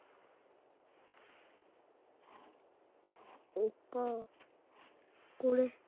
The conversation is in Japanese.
おっ母これ。